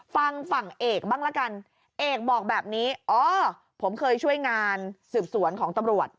ฟังฝั่งเอกบ้างละกันเอกบอกแบบนี้อ๋อผมเคยช่วยงานสืบสวนของตำรวจ